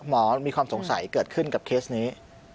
มีความสงสัยเกิดขึ้นกับเคสนี้